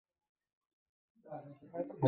Kim, তোমার সাথে একজন দেখা করতে এসেছে।